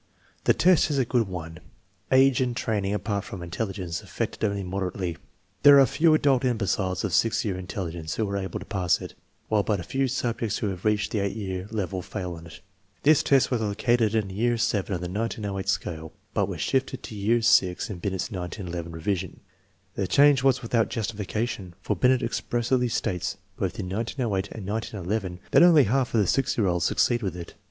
The test is a good one. Age and training, apart from intelligence, affect it only moderately. There are few adult imbeciles of 6 year intelligence who are able to pass it, while but few subjects who have reached the 8 year level fail on it. 1 This test was located in year VII of the 1908 scale, but was shifted to year VI in Binet's 1911 revision. The change was without justification, for Binet expressly states, both in 1908 and 1911, that only half of the 6 year olds succeed with it.